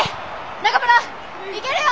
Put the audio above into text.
中村いけるよ！